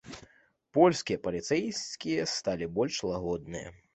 Польскія паліцэйскія сталі больш лагодныя.